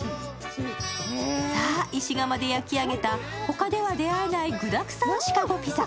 さあ、石窯で焼き上げた、他では出会えない具だくさんシカゴピザ。